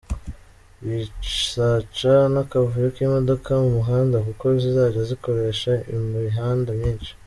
Bizaca n’akavuyo k’imodoka mu muhanda kuko zizajya zikoresha imihanda myinshi.